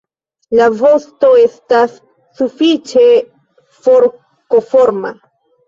La vosto estas sufiĉe forkoforma.